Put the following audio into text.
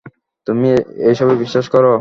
তুমি এসবে বিশ্বাস করো?